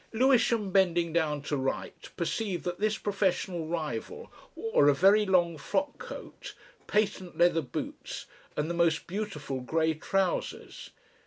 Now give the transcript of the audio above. Lewisham, bending down to write, perceived that this professional rival wore a very long frock coat, patent leather boots, and the most beautiful grey trousers.